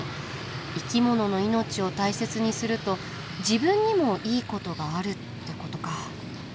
生き物の命を大切にすると自分にもいいことがあるってことかあ。